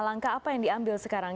langkah apa yang diambil sekarang